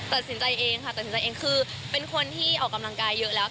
ตัดสินใจเองค่ะตัดสินใจเองคือเป็นคนที่ออกกำลังกายเยอะแล้ว